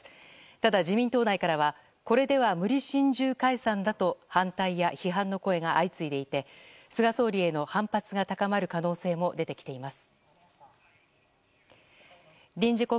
ただ自民党内からはこれでは無理心中解散だと反対や批判の声が相次いでいて菅総理への反発が高まる可能性も出てきています。